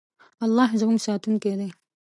الله زموږ ساتونکی دی.